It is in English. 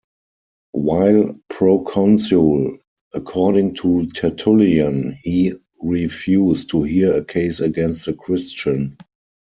While proconsul, according to Tertullian he refused to hear a case against a Christian.